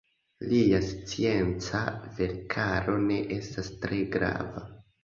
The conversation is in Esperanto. Lia scienca verkaro ne estas tre grava.